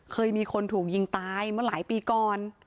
เคยมีคนถูกยิงตายเมื่อหลายปีก่อน